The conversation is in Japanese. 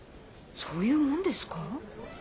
そういうもんですか？